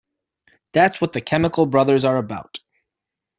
That's what The Chemical Brothers are about.